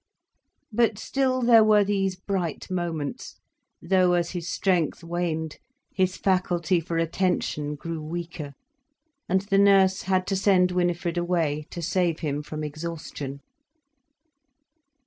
But still there were these bright moments, though as his strength waned, his faculty for attention grew weaker, and the nurse had to send Winifred away, to save him from exhaustion.